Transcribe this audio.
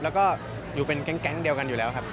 แล้วก็อยู่เป็นแก๊งเดียวกันอยู่แล้วครับ